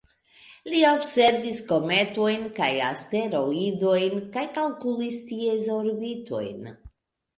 Li observis kometojn kaj asteroidojn kaj kalkulis ties orbitojn.